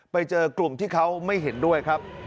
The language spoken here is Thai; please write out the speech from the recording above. ไปเจอกลุ่มที่เขาไม่เห็นด้วยครับ